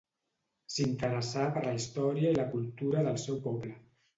S'interessà per la història i cultura del seu poble.